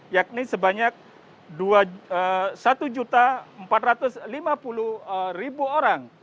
yakni sebanyak satu empat ratus lima puluh orang